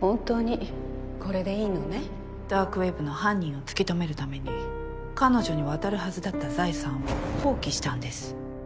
本当にこれでいいのダークウェブの犯人を突き止めるために彼女に渡るはずだった財産を放棄したんです。